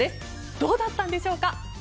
どうだったんでしょうか。